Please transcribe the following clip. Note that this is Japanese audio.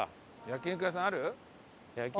焼肉屋さんあるかい？